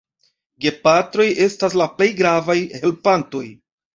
Gepatroj estas la plej gravaj helpantoj.